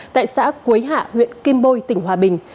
tại xã quế hạ huyện kim bôi tỉnh hòa bình